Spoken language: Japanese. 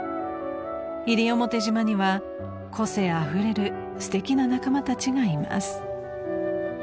［西表島には個性あふれるすてきな仲間たちがいます］